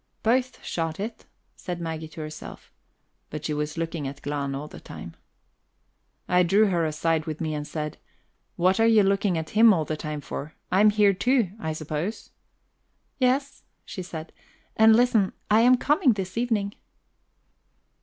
"Both shot it," said Maggie to herself; but she was looking at Glahn all the time. I drew her aside with me and said: "What are you looking at him all the time for? I am here too, I suppose?" "Yes," she said. "And listen: I am coming this evening."